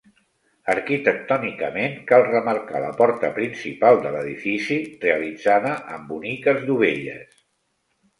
Arquitectònicament cal remarcar la porta principal de l'edifici realitzada amb boniques dovelles.